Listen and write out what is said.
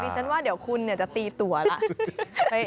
ฉันว่าเดี๋ยวคุณจะตีตัวแล้ว